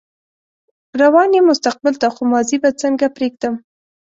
روان يم مستقبل ته خو ماضي به څنګه پرېږدم